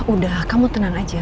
udah kamu tenang aja